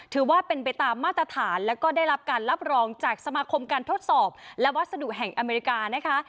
ถือว่าเป็นไปตามมาตรฐานแล้วก็ได้รับการรับรองจากสมาคมการทดสอบและวัสดุแห่งอเมริกานะคะ